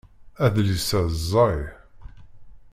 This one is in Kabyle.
Adlis-a ẓẓay.